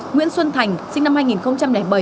nguyễn xuân thành sinh năm hai nghìn bảy